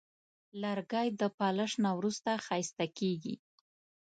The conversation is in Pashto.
لرګی د پالش نه وروسته ښایسته کېږي.